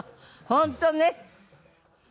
本当ね。